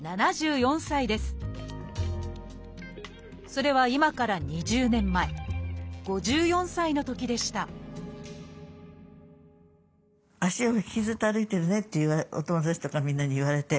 それは今から２０年前５４歳のときでした「足を」